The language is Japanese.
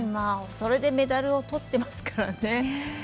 それでメダルをとってますからね。